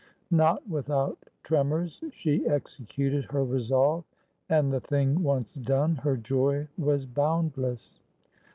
Not without tremors, she executed her resolve, and, the thing once done, her joy was boundless.